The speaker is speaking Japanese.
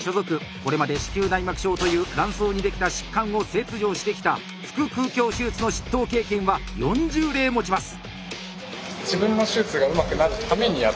これまで子宮内膜症という卵巣にできた疾患を切除してきた腹腔鏡手術の執刀経験は４０例持ちます。